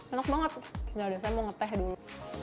enak banget udah deh saya mau ngeteh dulu